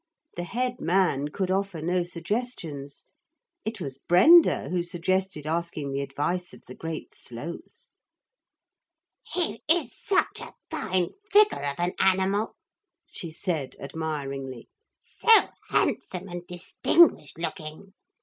The head man could offer no suggestions. It was Brenda who suggested asking the advice of the Great Sloth. 'He is such a fine figure of an animal,' she said admiringly; 'so handsome and distinguished looking.